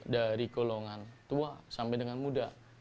dari golongan tua sampai dengan muda